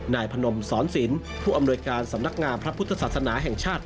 นายพนมสอนศิลป์ผู้อำนวยการสำนักงามพระพุทธศาสนาแห่งชาติ